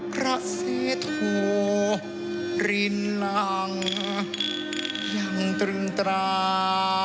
พระเสโธรินลังยังตรึงตรา